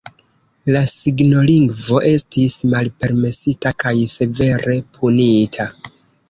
La signolingvo estis malpermesita, kaj severe punita.